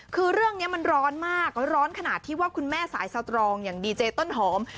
คือเรื่องนี้มันร้อนมากร้อนขนาดที่ว่าคุณแม่สายสตรองอย่างดีเจต้นหอม